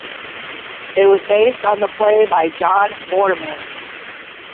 It was based on the play by John Mortimer.